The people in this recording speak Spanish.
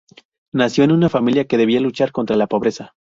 Nació en una familia que debía luchar contra la pobreza.